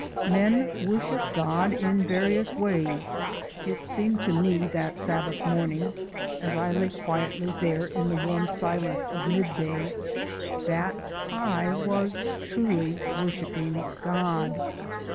Men worship God in various ways: it seemed to me that Sabbath morning, as I lay quietly there in the warm silence of midday, that I was truly worshipping God.